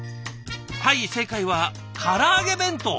はい正解はから揚げ弁当！